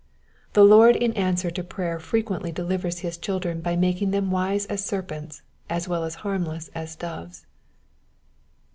The Lord in answer to prayer frequently delivers his children by making them wise as serpents as well as harmless as doves.